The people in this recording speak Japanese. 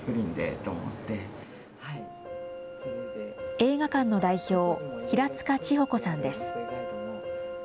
映画館の代表、平塚千穂子さんです。